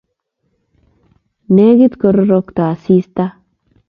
Negit kororokto asista